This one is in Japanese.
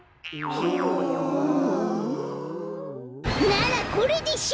ならこれでしょ！